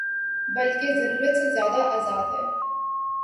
بلکہ ضرورت سے زیادہ آزاد ہے۔